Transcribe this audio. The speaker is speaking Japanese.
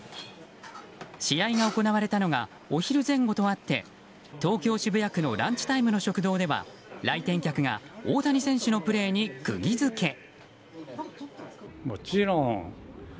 試合が行われたのがお昼前後とあって東京・渋谷区のランチタイムの食堂では来店客が大谷選手のプレーにくぎ付け。